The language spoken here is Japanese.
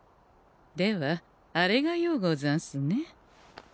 ではあれがようござんすね。